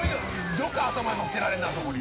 よく頭に乗っけられるなそこに。